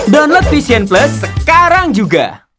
download vision plus sekarang juga